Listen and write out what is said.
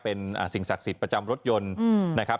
เป็นสิ่งศักดิ์สิทธิ์ประจำรถยนต์นะครับ